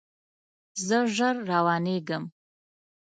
زه ژر روانیږم